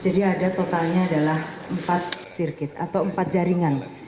jadi ada totalnya adalah empat sirkit atau empat jaringan